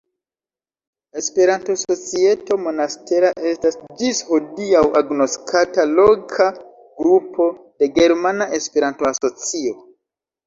Esperanto-Societo Monastera estas ĝis hodiaŭ agnoskata loka grupo de Germana Esperanto-Asocio.